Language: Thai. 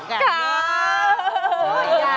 ครับ